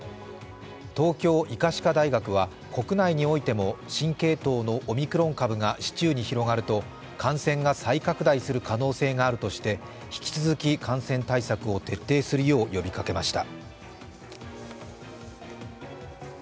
東京医科歯科大学は国内においても新系統のオミクロン株が市中に広がると感染が再拡大する可能性があるとして引き続き感染対策を徹底するよう呼びかけました。